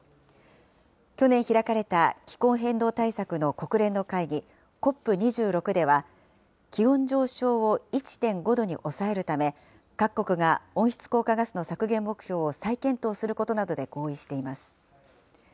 去年開かれた、気候変動対策の国連の会議、ＣＯＰ２６では、気温上昇を１．５度に抑えるため、各国が温室効果ガスの削減目標を再検討するなどで合意しています。